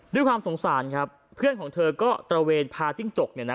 ด้วยความสงสารครับเพื่อนของเธอก็ตระเวนพาจิ้งจกเนี่ยนะ